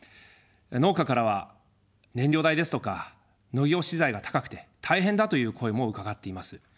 農家からは燃料代ですとか農業資材が高くて、大変だという声も伺っています。